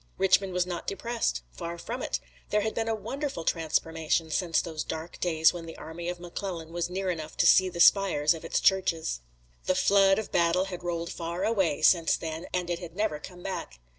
Richmond was not depressed. Far from it. There had been a wonderful transformation since those dark days when the army of McClellan was near enough to see the spires of its churches. The flood of battle had rolled far away since then, and it had never come back.